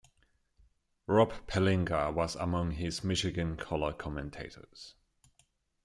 Rob Pelinka was among his Michigan color commentators.